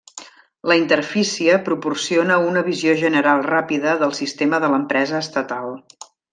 La interfície proporciona una visió general ràpida del sistema de l'empresa estatal.